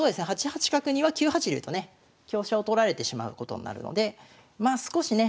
８八角には９八竜とね香車を取られてしまうことになるので少しね